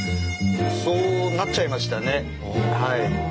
そうなっちゃいましたねはい。